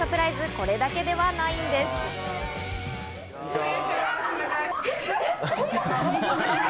これだけではないんですえ！